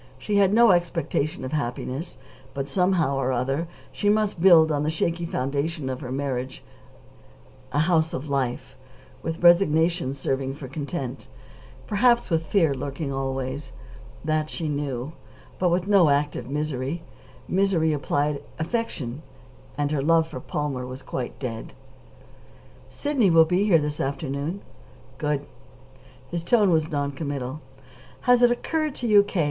She had no expectation of happiness, but, somehow or other, she must build on the shaky foundation of her marriage a house of life, with resignation serving for content, perhaps with fear lurking always. That she knew. But with no active misery. Misery implied affection, and her love for Palmer was quite dead. "Sidney will be here this afternoon." "Good." His tone was non committal. "Has it occurred to you, K.